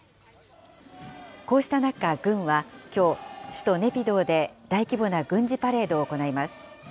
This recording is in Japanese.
こうした中、軍はきょう、首都ネピドーで大規模な軍事パレードを行います。